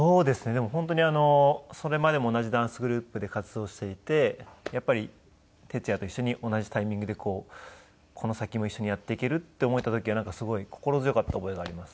でも本当にそれまでも同じダンスグループで活動していてやっぱりＴＥＴＳＵＹＡと一緒に同じタイミングでこの先も一緒にやっていけるって思えた時はすごい心強かった覚えがあります。